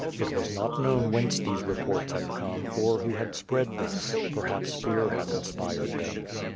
It was not known whence these reports had come, or who had spread them; perhaps fear had inspired them.